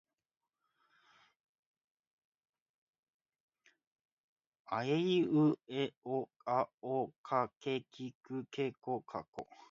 あえいうえおあおかけきくけこかこ